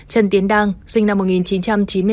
trần tiến đang sinh năm một nghìn chín trăm chín mươi hai